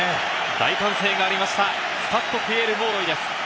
大歓声がありましたスタッド・ピエール・モーロイです。